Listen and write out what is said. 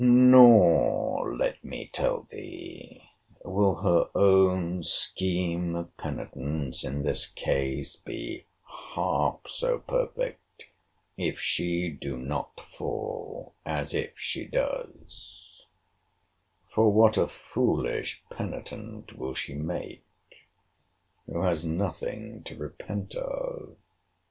Nor, let me tell thee, will her own scheme or penitence, in this case, be half so perfect, if she do not fall, as if she does: for what a foolish penitent will she make, who has nothing to repent of!